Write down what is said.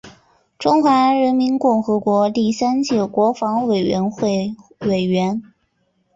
中华人民共和国第三届国防委员会委员。